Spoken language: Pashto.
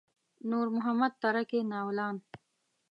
نور محمد تره کي ناولان.